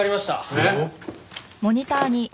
えっ？